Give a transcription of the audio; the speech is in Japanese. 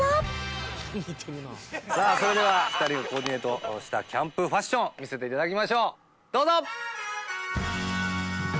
それでは２人のコーディネートしたキャンプファッション見せていただきましょうどうぞ！